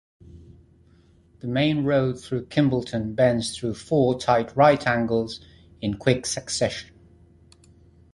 The main road through Kimbolton bends through four tight right angles in quick succession.